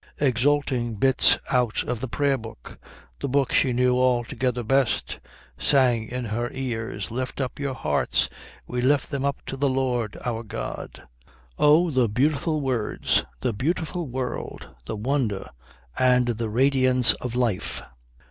Exulting bits out of the Prayer book, the book she knew altogether best, sang in her ears Lift up your hearts.... We lift them up unto the Lord our God.... Oh, the beautiful words, the beautiful world, the wonder and the radiance of life!